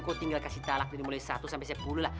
kok tinggal kasih talak dari mulai satu sampai sepuluh lah